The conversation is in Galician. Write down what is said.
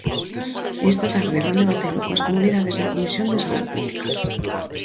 E esta tarde van debatelo coas comunidades na Comisión de Saúde Pública.